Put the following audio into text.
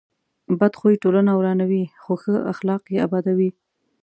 بد خوی ټولنه ورانوي، خو ښه اخلاق یې ابادوي.